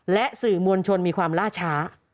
และสื่อมวลชนมีความล่าช้า